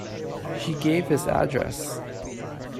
She gave his address.